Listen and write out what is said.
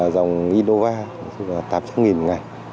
dòng innova tám trăm linh một ngày